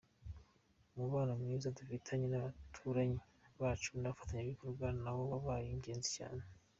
Umubano mwiza dufitanye n’abaturanyi bacu n’abafatanyabikorwa nawo wabaye ingenzi cyane.